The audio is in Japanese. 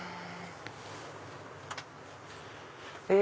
え！